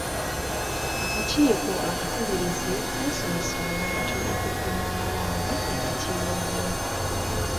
Akakiiko akakubirizi kaasomesa abantu okukuuma amabanga wakati waabwe.